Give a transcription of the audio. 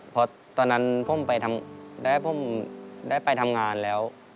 เพราะตอนนั้นผมได้ไปทำงานแล้ว